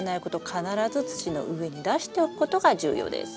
必ず土の上に出しておくことが重要です。